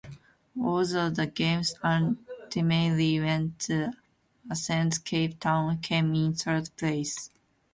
Although the games ultimately went to Athens, Cape Town came in third place.